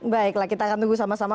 baiklah kita akan tunggu sama sama